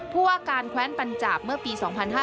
พวกการแขวนปัญจาปเมื่อปี๒๕๕๔